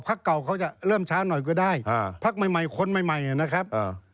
เก่าเขาจะเริ่มเช้าหน่อยก็ได้พักใหม่คนใหม่ใหม่นะครับ